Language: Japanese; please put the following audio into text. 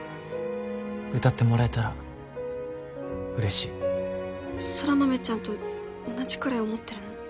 歌ってもらえたら嬉しい空豆ちゃんと同じくらい思ってるの？